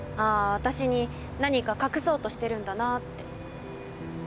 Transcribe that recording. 私に何か隠そうとしてるんだなって。